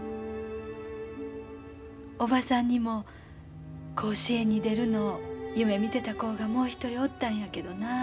おばさんにも甲子園に出るのを夢みてた子がもう一人おったんやけどな。